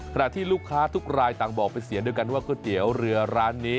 ขณะที่ลูกค้าทุกลายต่างบอกไปเสียด้วยกันว่ากุ๊ยเตี๋ยวเรือร้านนี้